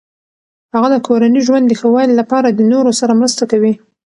هغه د کورني ژوند د ښه والي لپاره د نورو سره مرسته کوي.